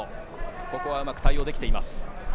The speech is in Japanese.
ここはうまく対応できています。